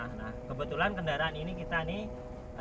nah kebetulan kendaraan ini kita nih